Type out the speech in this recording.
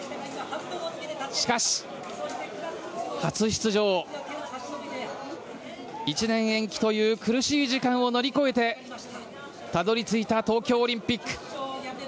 しかし、初出場１年延期という苦しい時間を乗り越えてたどり着いた東京オリンピック。